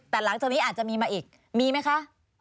แต่หลังจากนี้อาจจะมีมาอีกมีไหมคะ